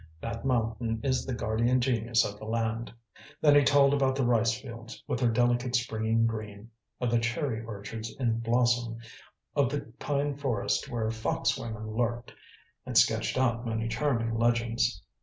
"That mountain is the guardian genius of the land." Then he told about the rice fields, with their delicate springing green, of the cherry orchards in blossom, of the pine forest where fox women lurked, and sketched out many charming legends.